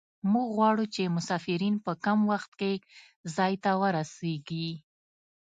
موږ غواړو چې مسافرین په کم وخت کې ځای ته ورسیږي